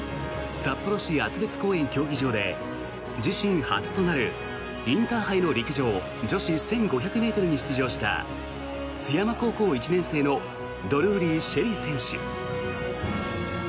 札幌市・厚別公園競技場で自身初となる、インターハイの陸上女子１５００ｍに出場した津山高校１年生のドルーリー朱瑛里選手。